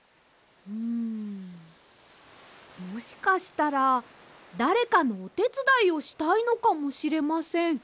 うんもしかしたらだれかのおてつだいをしたいのかもしれません。